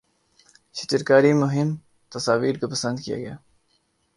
شجرکاری مہم تصاویر کو پسند کیا گیا